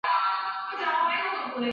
兴元县是越南乂安省下辖的一个县。